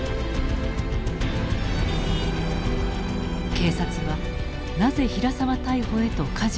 警察はなぜ平沢逮捕へとかじを切ったのか？